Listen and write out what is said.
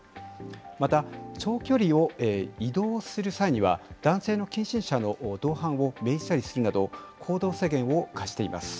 また、長距離を移動する際には、男性の近親者の同伴を命じたりするなど、行動制限を課しています。